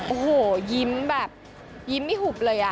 โอ้โหยิ้มแบบยิ้มไม่หุบเลย